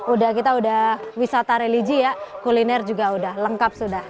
udah kita udah wisata religi ya kuliner juga udah lengkap sudah